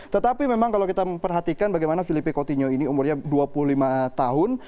tetapi memang kalau kita memperhatikan bagaimana filipe coutinho ini umurnya dua puluh lima tahun